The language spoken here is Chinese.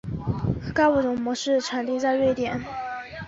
该物种的模式产地在瑞典。